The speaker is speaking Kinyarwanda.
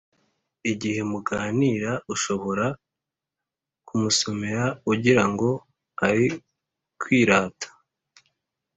Igihe muganira Ushobora kumusomera ugira ngo ari kwirata